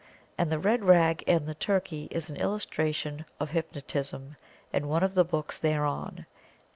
And the red rag and the turkey is an illustration of Hypnotism in one of the books thereon.